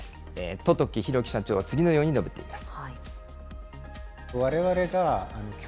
十時裕樹社長は次のように述べています。